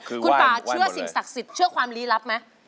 คุณป่าเชื่อสิ่งศักดิ์สิทธิ์เชื่อความลี้ลับไหม